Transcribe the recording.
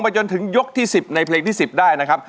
จนถึงยกที่๑๐ในเพลงที่๑๐ได้นะครับ